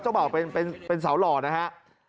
เจ้าเบ่าเป็นสาวหล่อนะครับ